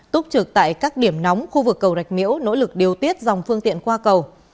túc trực tại các điểm nóng khu vực cầu rạch miễu nỗ lực điều tiết dòng phương tiện qua cầu